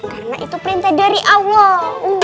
karena itu perintah dari allah